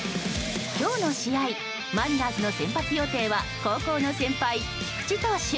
今日の試合、マリナーズの先発予定は高校の先輩菊池投手。